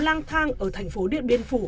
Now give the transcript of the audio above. lang thang ở thành phố điện biên phủ